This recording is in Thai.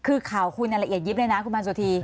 คือข่าวคุณละเอียดยิบเลยนะคุณพันสุธี